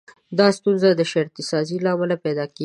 دا ستونزه د شرطي سازي له امله پيدا کېږي.